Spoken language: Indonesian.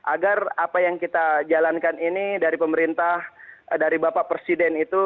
agar apa yang kita jalankan ini dari pemerintah dari bapak presiden itu